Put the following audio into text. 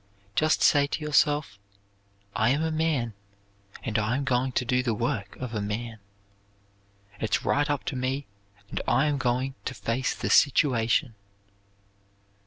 Just say to yourself, "I am a man and I am going to do the work of a man. It's right up to me and I am going to face the situation."